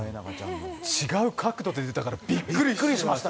違う角度で出たからびっくりしました。